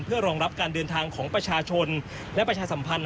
เพื่อรองรับการเดินทางของประชาชนและประชาสัมพันธ์